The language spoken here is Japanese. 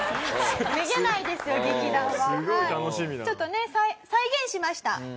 ちょっとね再現しました。